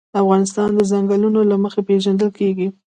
افغانستان د ځنګلونه له مخې پېژندل کېږي.